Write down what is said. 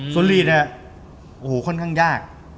ส่วนลีดโอโห่ค่อนข้างยาก